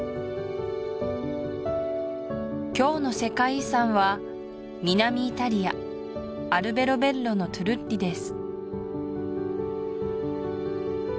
今日の世界遺産は南イタリアアルベロベッロのトゥルッリです